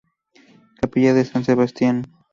Capilla de San Sebastián.